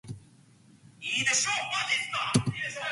Germination is epigeal.